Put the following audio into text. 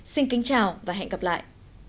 xin kính chào và hẹn gặp lại